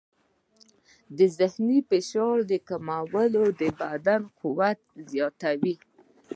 د ذهني فشار کمول د بدن قوت زیاتوي.